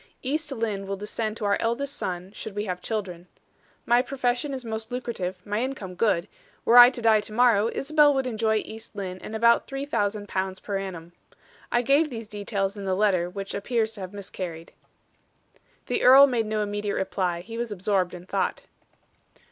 East Lynne will descend to our eldest son, should we have children. My profession is most lucrative, my income good; were I to die to morrow, Isabel would enjoy East Lynne and about three thousand pounds per annum. I gave these details in the letter, which appears to have miscarried." The earl made no immediate reply; he was absorbed in thought.